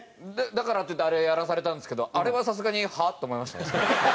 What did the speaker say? だからっていってあれやらされたんですけどあれはさすがに「はあ？」って思いました。